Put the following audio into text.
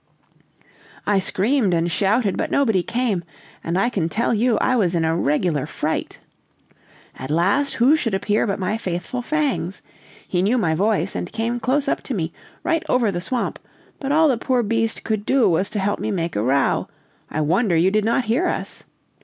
"I screamed and shouted, but nobody came, and I can tell you I was in a regular fright. "At last who should appear but my faithful Fangs! He knew my voice and came close up to me, right over the swamp, but all the poor beast could do was to help me to make a row; I wonder you did not hear us!